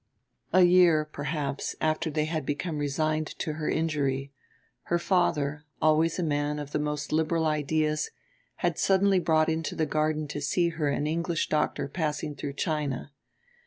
A year, perhaps, after they had become resigned to her injury, her father, always a man of the most liberal ideas, had suddenly brought into the garden to see her an English doctor passing through China.